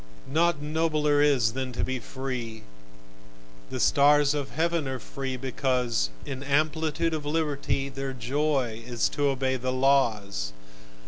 Nought nobler is, than to be free: The stars of heaven are free because In amplitude of liberty Their joy is to obey the laws.